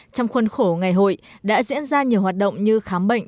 trong khuôn khổ ngày hội đã diễn ra nhiều hoạt động như khám bệnh